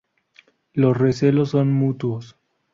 Los recelos son mutuos.